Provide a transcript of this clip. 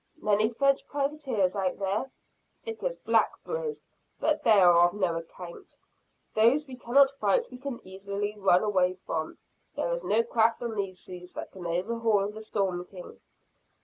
"Many French privateers out there?" "Thick as blackberries. But they are of no account. Those we cannot fight, we can easily run away from. There is no craft on these seas, that can overhaul the Storm King!"